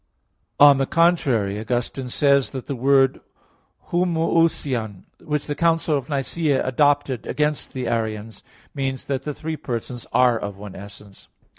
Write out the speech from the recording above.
On the contrary, Augustine says (Contra Maxim. iii) that the word homoousion, which the Council of Nicaea adopted against the Arians, means that the three persons are of one essence.